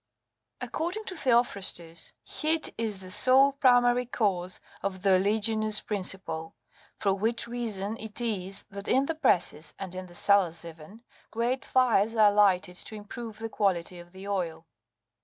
According to Theophrastus,26 heat is the sole primary cause of the oleaginous principle ; for which reason it is, that in the presses,27 and in the cellars even, great fires are lighted to improve the quality of the oil.